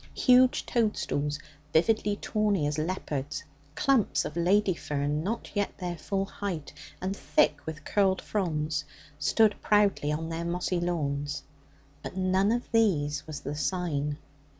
Huge toadstools, vividly tawny as leopards, clumps of ladyfern not yet their full height and thick with curled fronds, stood proudly on their mossy lawns. But none of these was the Sign.